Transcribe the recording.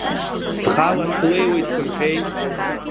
Схала слеиуеит сымҳәеи.